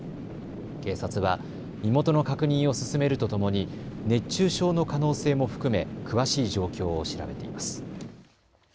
警察は身元の確認を進めるとともに熱中症の可能性も含め詳しい状況を調べています。